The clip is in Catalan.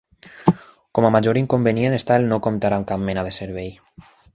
Com a major inconvenient està el no comptar amb cap mena de servei.